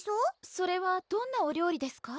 それはどんなお料理ですか？